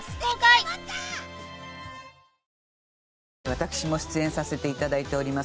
私も出演させて頂いております